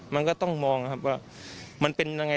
มันก็ต้องมองว่ามันเป็นอย่างไร